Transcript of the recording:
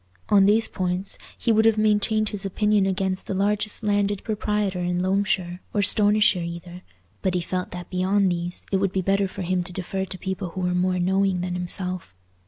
On these points he would have maintained his opinion against the largest landed proprietor in Loamshire or Stonyshire either; but he felt that beyond these it would be better for him to defer to people who were more knowing than himself.